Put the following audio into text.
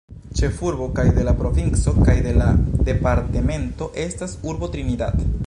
Ĉefurbo kaj de la provinco kaj de la departemento estas la urbo Trinidad.